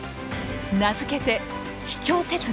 名付けて「秘境鉄道」。